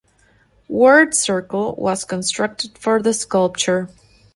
Ward Circle was constructed for the sculpture.